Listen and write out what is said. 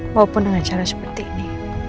maupun dengan cara seperti ini